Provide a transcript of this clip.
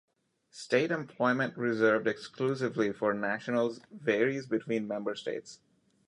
State employment reserved exclusively for nationals varies between member states.